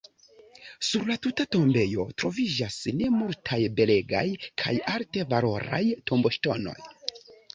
Sur la tuta tombejo troviĝas ne malmultaj belegaj kaj arte valoraj tomboŝtonoj.